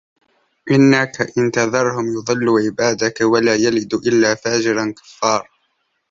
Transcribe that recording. إِنَّكَ إِن تَذَرهُم يُضِلّوا عِبادَكَ وَلا يَلِدوا إِلّا فاجِرًا كَفّارًا